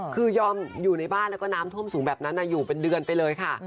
คือยอมอยู่ในบ้านแล้วก็น้ำท่วมสูงแบบนั้นอยู่เป็นเดือนไปเลยค่ะ